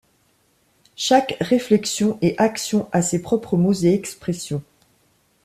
Chaque réflexion et action à ses propres mots et expressions.